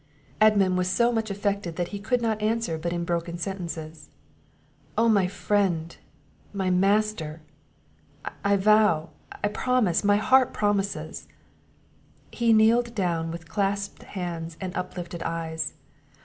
Edmund was so much affected that he could not answer but in broken sentences. "Oh my friend, my master! I vow, I promise, my heart promises!" He kneeled down with clasped hands, and uplifted eyes.